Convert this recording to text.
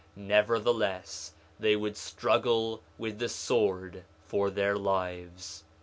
Nevertheless they would struggle with the sword for their lives.